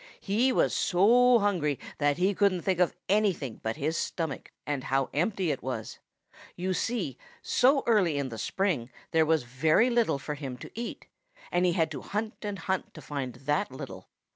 He was so hungry that he couldn't think of anything but his stomach and how empty it was. You see, so early in the spring there was very little for him to eat, and he had to hunt and hunt to find that little.